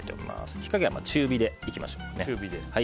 火加減は中火でいきましょう。